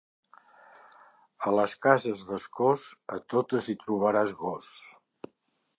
A les cases d'Escós, a totes hi trobaràs gos.